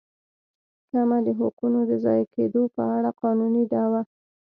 کمه د حقونو د ضایع کېدو په اړه قانوني دعوه.